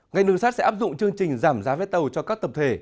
ngành đường sắt sẽ áp dụng chương trình giảm giá vé tàu cho các tập thể